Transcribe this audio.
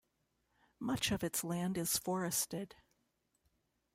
Much of its land is forested.